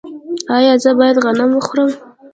ایا زه باید غنم وخورم؟